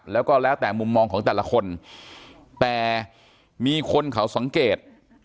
แล้วก็แล้วแต่มุมมองของแต่ละคนแต่มีคนเขาสังเกต